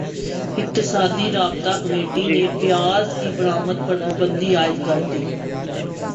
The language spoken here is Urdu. اقتصادی رابطہ کمیٹی نے پیاز کی برمد پر پابندی عائد کردی